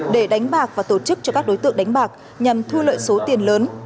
để đánh bạc và tổ chức cho các đối tượng đánh bạc nhằm thu lợi số tiền lớn